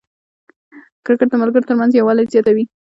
کرکټ د ملګرو ترمنځ یووالی زیاتوي.